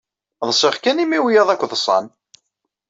Ḍsiɣ kan imi wiyaḍ akk ḍsan.